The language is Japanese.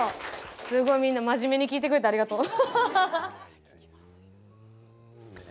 すごいみんな真面目に聴いてくれてありがとう。